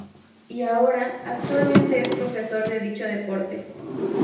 Y ahora actualmente es profesor de dicho deporte